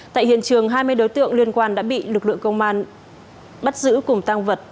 tại hiện trường hai mươi đối tượng liên quan đã bị lực lượng công an bắt giữ cùng tăng vật